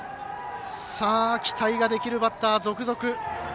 期待ができるバッター続々。